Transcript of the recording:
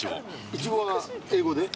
いちごは英語で？